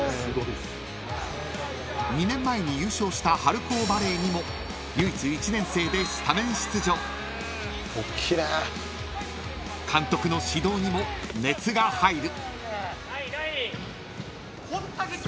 ［２年前に優勝した春高バレーにも唯一１年生でスタメン出場］［監督の指導にも熱が入る］